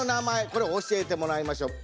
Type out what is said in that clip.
これ教えてもらいましょう。